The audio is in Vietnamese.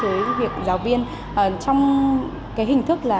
với việc giáo viên trong cái hình thức là